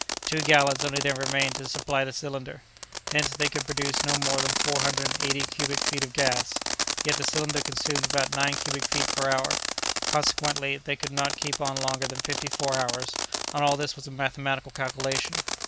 Two gallons only then remained to supply the cylinder. Hence, they could produce no more than four hundred and eighty cubic feet of gas; yet the cylinder consumed about nine cubic feet per hour. Consequently, they could not keep on longer than fifty four hours—and all this was a mathematical calculation!